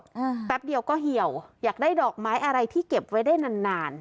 แป๊บเดียวก็เหี่ยวอยากได้ดอกไม้อะไรที่เก็บไว้ได้นานนาน